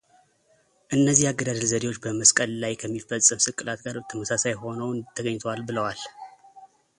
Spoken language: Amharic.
እነዚህ የአገዳደል ዘዴዎች በመስቀል ላይ ከሚፈጸም ስቅላት ጋር ተመሳሳይም ሆነው ተገኝተዋል ብለዋል።